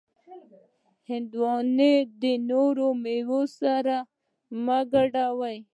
هندوانه د نورو میوو سره مه ګډوه.